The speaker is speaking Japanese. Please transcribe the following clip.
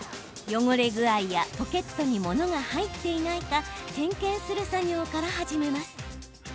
汚れ具合やポケットに物が入っていないか点検する作業から始めます。